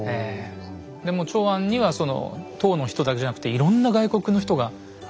でもう長安には唐の人だけじゃなくいろんな外国の人が来るので。